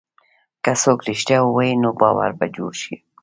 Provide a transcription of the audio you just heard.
که څوک رښتیا ووایي، نو باور به جوړ شي.